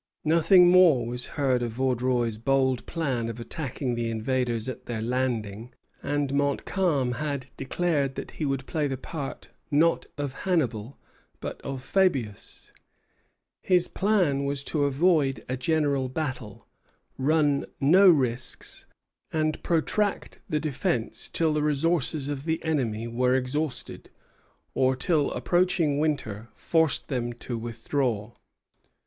Nothing more was heard of Vaudreuil's bold plan of attacking the invaders at their landing; and Montcalm had declared that he would play the part, not of Hannibal, but of Fabius. His plan was to avoid a general battle, run no risks, and protract the defence till the resources of the enemy were exhausted, or till approaching winter forced them to withdraw.